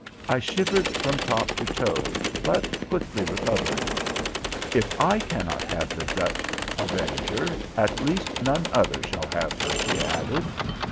I shivered from top to toe, but quickly recovered. "If I cannot have the Dutch Avenger, at least none other shall have her," he added.